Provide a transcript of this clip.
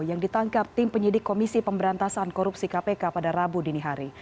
yang ditangkap tim penyidik komisi pemberantasan korupsi kpk pada rabu dini hari